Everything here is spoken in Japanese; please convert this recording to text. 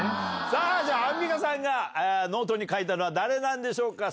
さぁアンミカさんがノートに書いたのは誰でしょう？